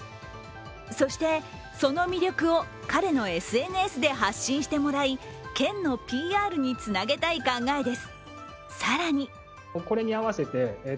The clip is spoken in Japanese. そしてその魅力を彼のＳＮＳで発信してもらい県のＰＲにつなげたい考えです。